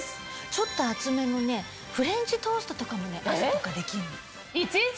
ちょっと厚めのフレンチトーストとかも朝とかできるの。